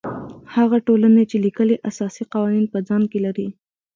هغه ټولنې چې لیکلي اساسي قوانین په ځان کې لري.